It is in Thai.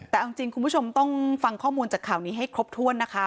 แต่เอาจริงคุณผู้ชมต้องฟังข้อมูลจากข่าวนี้ให้ครบถ้วนนะคะ